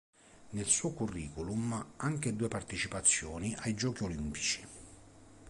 Nel suo curriculum anche due partecipazioni ai Giochi Olimpici.